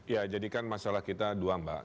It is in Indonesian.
ya jadikan masalah kita dua mbak